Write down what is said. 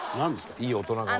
いい大人がお前。